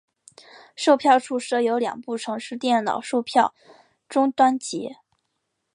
售票处设有两部城市电脑售票终端机。